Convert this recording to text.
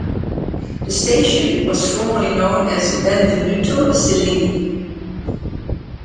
The station was formerly known as Benvenuto Cellini.